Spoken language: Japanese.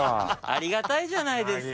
ありがたいじゃないですか。